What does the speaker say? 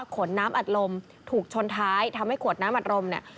ขนน้ำอัดลมถูกชนท้ายทำให้ขวดน้ำอัดลมเนี่ย